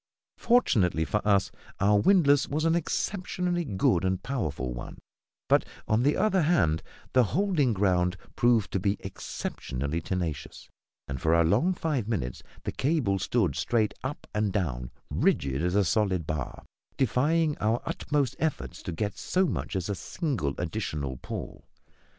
Fortunately for us, our windlass was an exceptionally good and powerful one; but, on the other hand, the holding ground proved to be exceptionally tenacious; and, for a long five minutes, the cable stood straight up and down, rigid as a solid bar, defying our utmost efforts to get so much as a single additional pawl.